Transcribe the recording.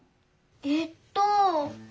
えっと。